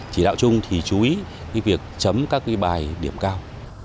chỉ đạo chung thì chú ý cái việc chấm các cái bài điểm cao